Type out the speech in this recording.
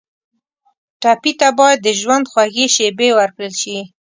ټپي ته باید د ژوند خوږې شېبې ورکړل شي.